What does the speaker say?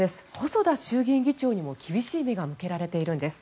細田衆議院議長にも厳しい目が向けられているんです。